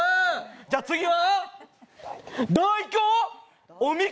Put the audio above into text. じゃ次は？